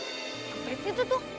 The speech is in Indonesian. seperti itu tuh